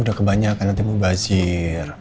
udah kebanyakan nanti bu basir